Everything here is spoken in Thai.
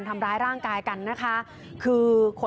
เมื่อ